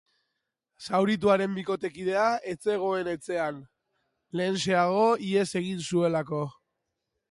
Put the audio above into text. Zaurituaren bikotekidea ez zegoen etxean, lehenxeago ihes egin zuelako.